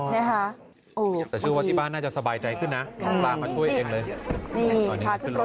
แต่ชื่อว่าที่บ้านน่าจะสบายใจขึ้นนะต้องปลามาช่วยเองเลย